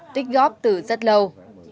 tích góp từ rất lâu